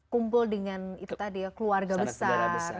kumpul dengan itu tadi ya keluarga besar